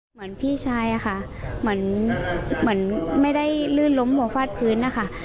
เหมือนพี่ชายอะค่ะเหมือนไม่ได้ลื่นล้มหัวฟาดพื้นนะคะ